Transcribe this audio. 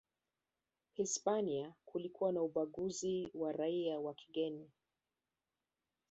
Hispania kulikuwa na ubaguzi wa raia wa kigeni